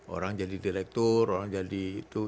orang jadi direktur orang jadi itu